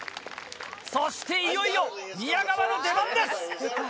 そしていよいよ宮川の出番です！